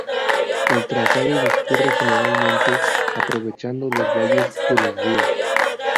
El trazado discurre generalmente aprovechando los valles de los ríos.